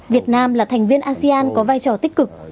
việt nam là thành viên asean có vai trò tích cực